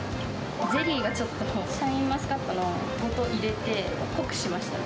ゼリーがちょっと、シャインマスカットの実を入れて濃くしました。